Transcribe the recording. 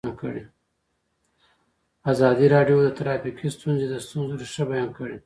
ازادي راډیو د ټرافیکي ستونزې د ستونزو رېښه بیان کړې.